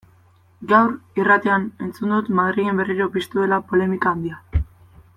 Gaur, irratian, entzun dut Madrilen berriro piztu dela polemika handia.